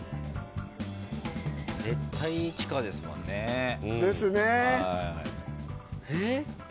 絶対地下ですもんね。ですね。